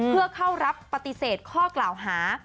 เพื่อเข้ารับปฏิเสธข้อกล่าวหา